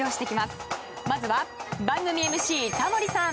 まずは番組ＭＣタモリさん。